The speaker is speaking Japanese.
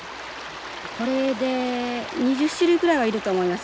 これで２０種類ぐらいはいると思います。